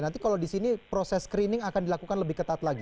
nanti kalau di sini proses screening akan dilakukan lebih ketat lagi